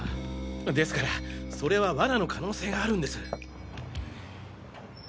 ですからそれは罠の可能性があるんです。